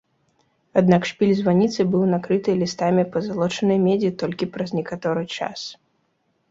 Аднак шпіль званіцы быў накрыты лістамі пазалочанай медзі толькі праз некаторы час.